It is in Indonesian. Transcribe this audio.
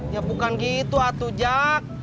ya bukan gitu atu jack